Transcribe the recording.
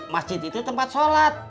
masjid itu tempat sholat